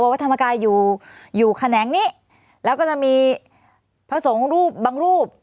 วัดธรรมกายอยู่อยู่แขนงนี้แล้วก็จะมีพระสงฆ์รูปบางรูป